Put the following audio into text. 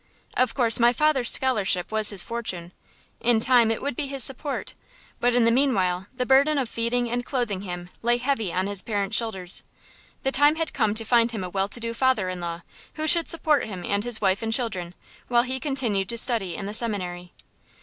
Of course my father's scholarship was his fortune in time it would be his support; but in the meanwhile the burden of feeding and clothing him lay heavy on his parents' shoulders. The time had come to find him a well to do father in law, who should support him and his wife and children, while he continued to study in the seminary.